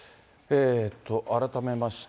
改めまして。